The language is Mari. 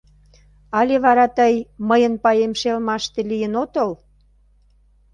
Але вара тый мыйын паем шелмаште лийын отыл?